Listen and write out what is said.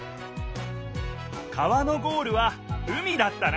川のゴールは海だったな！